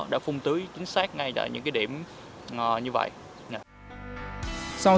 đã phung tưới chính xác ngay tại những cái điểm như vậy